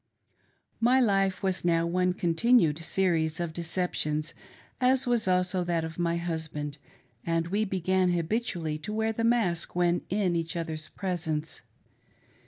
MY life was now one continued series of deceptions, as was also that of my husband, and we began habitually to wear the mask when in each other's presence.